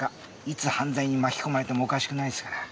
いつ犯罪に巻き込まれてもおかしくないですから。